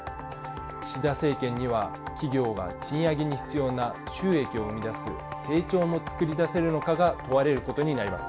岸田政権には企業や賃上げに必要な収益を生み出す成長も作り出せるのかが問われることになります。